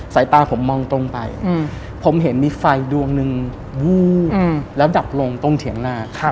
สายตาผมมองตรงไปผมเห็นมีไฟดวงหนึ่งวูบแล้วดับลงตรงเถียงนา